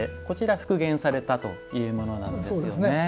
こちら復元されたというものなんですよね。